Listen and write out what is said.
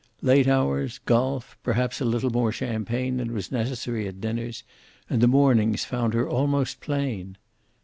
Late hours, golf, perhaps a little more champagne than was necessary at dinners, and the mornings found her almost plain.